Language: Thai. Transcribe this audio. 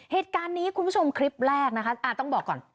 เหตุการณ์นี้คุณผู้ชมคลิปแรกนะคะต้องบอกก่อน